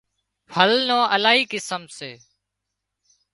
ڦل نان الاهي قسم سي